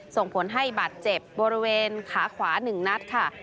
ส่งผลให้บาดเจ็บบริเวณขาขวา๑นัดค่ะ